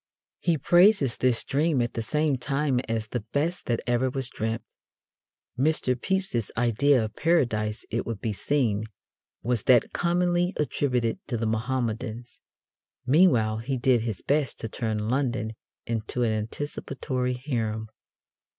He praises this dream at the same time as "the best that ever was dreamt." Mr. Pepys's idea of Paradise, it would be seen, was that commonly attributed to the Mohammedans. Meanwhile he did his best to turn London into an anticipatory harem.